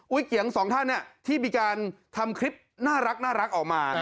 เกียงสองท่านที่มีการทำคลิปน่ารักออกมา